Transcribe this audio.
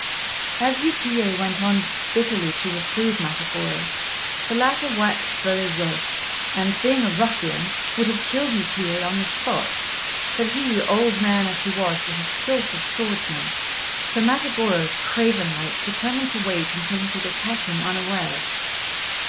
As Yukiyé went on bitterly to reprove Matagorô, the latter waxed very wroth, and, being a ruffian, would have killed Yukiyé on the spot; but he, old man as he was, was a skilful swordsman, so Matagorô, craven like, determined to wait until he could attack him unawares.